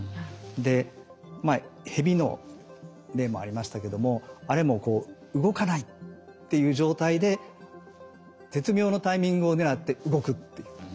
でヘビの例もありましたけどもあれも動かないっていう状態で絶妙のタイミングを狙って動くっていう。